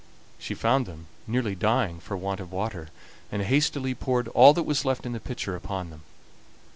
She found them nearly dying for want of water, and hastily poured all that was left in the pitcher upon them.